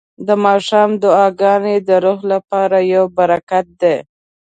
د ماښام دعاګانې د روح لپاره یو برکت دی.